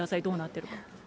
どうなっているか。